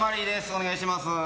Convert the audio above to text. お願いします。